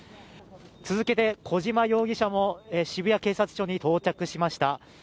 続けて小島容疑者も渋谷警察署に到着しました。